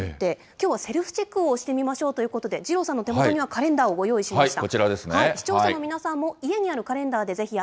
視野が欠ける病気、緑内障について、きょうはセルフチェックをしてみましょうということで、二郎さんの手元にはカレンダーをご用意しました。